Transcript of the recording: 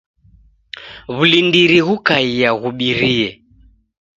W'ulindiri ghukaiaa ghubirie.